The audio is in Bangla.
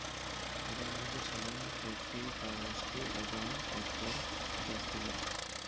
তাদের মধ্যে ছিলেন জেফ্রি পাওলোস্কি এবং হেক্টর ক্যাস্তিলো।